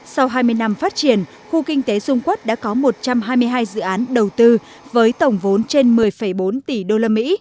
sau hai mươi năm phát triển khu kinh tế dung quốc đã có một trăm hai mươi hai dự án đầu tư với tổng vốn trên một mươi bốn tỷ usd